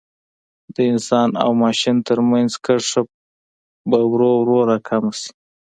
د انسان او ماشین ترمنځ کرښه به ورو ورو را کمه شي.